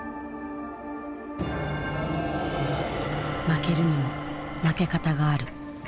負けるにも負け方がある。